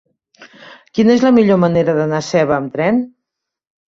Quina és la millor manera d'anar a Seva amb tren?